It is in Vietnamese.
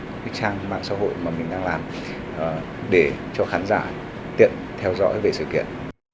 các trang mạng xã hội mà mình đang làm để cho khán giả tiện theo dõi về sự kiện